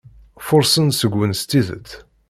Furṣen seg-wen s tidet.